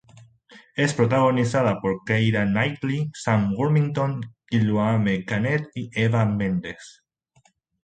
Es protagonizada por Keira Knightley, Sam Worthington, Guillaume Canet y Eva Mendes.